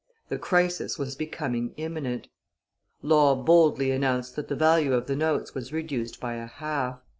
The crisis was becoming imminent; Law boldly announced that the value of the notes was reduced by a half.